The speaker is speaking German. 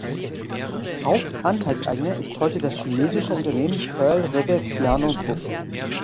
Hauptanteilseigner ist heute das chinesische Unternehmen Pearl River Piano Group.